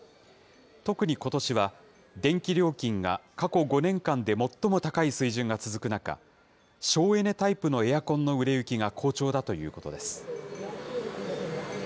特にことしは、電気料金が過去５年間で最も高い水準が続く中、省エネタイプのエアコンの売れ行きが好調だということです。